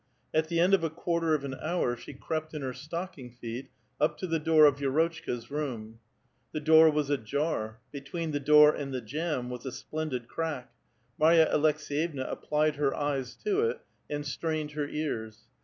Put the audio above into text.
At the end of a quarter of an hour she crept in lier stocking feet up to the door of Vi^rotchka's room. The door was ajar ; between the door and the jamb was a splendid crack : Marya Aleks^yevna applied her eyes to it and strained her eai*s.